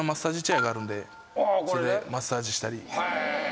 それでマッサージしたり。